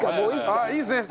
ああいいですね。